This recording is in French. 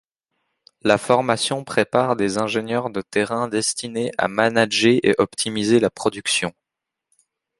La formation prépare des ingénieurs de terrain destinés à manager et optimiser la production.